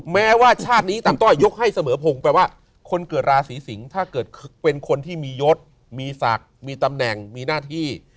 แม้ว่าชาตินี้ตามต้อยยกให้เสมอพงศ์แปลว่าคนเกิดราศีสิงศ์ถ้าเกิดเป็นคนที่มียศมีศักดิ์มีตำแหน่งมีหน้าที่